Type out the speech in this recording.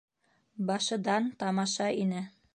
Башы дан, тамаша ине.